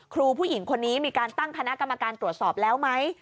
ผู้หญิงคนนี้มีการตั้งคณะกรรมการตรวจสอบแล้วไหม